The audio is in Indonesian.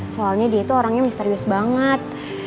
soalnya dia itu orangnya misterius banget